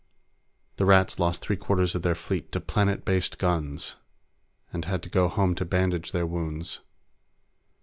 The Rats lost three quarters of their fleet to planet based guns and had to go home to bandage their wounds.